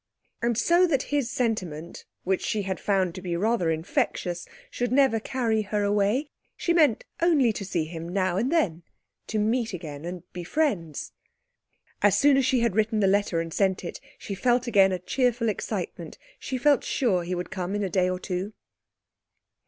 And so that his sentiment, which she had found to be rather infectious, should never carry her away, she meant only to see him now and then; to meet again and be friends. As soon as she had written the letter and sent it she felt again a cheerful excitement. She felt sure he would come in a day or two.